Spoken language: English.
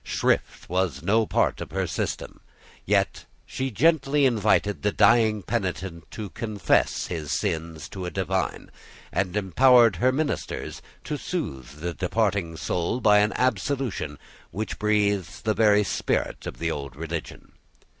Shrift was no part of her system. Yet she gently invited the dying penitent to confess his sins to a divine, and empowered her ministers to soothe the departing soul by an absolution which breathes the very spirit of the old religion.